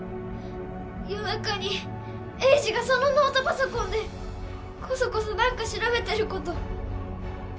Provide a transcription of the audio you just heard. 夜中にエイジがそのノートパソコンでこそこそ何か調べてること